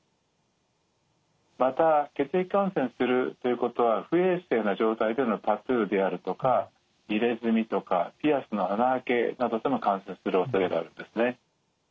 また血液感染するということは不衛生な状態でのタトゥーであるとか入れ墨とかピアスの穴開けなどでも感染するおそれがあるんですね。